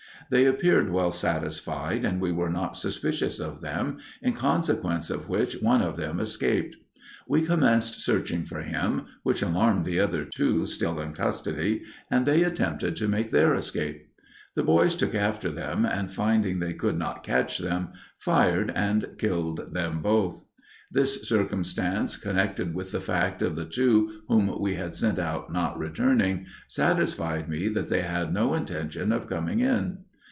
They appeared well satisfied and we were not suspicious of them, in consequence of which one of them escaped. We commenced searching for him, which alarmed the other two still in custody, and they attempted to make their escape. The boys took after them and finding they could not catch them, fired and killed them both. This circumstance, connected with the fact of the two whom we had sent out not returning, satisfied me that they had no intention of coming in.